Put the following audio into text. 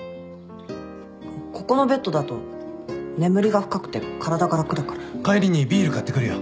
ここのベッドだと眠りが深くて体が楽だから帰りにビール買ってくるよ。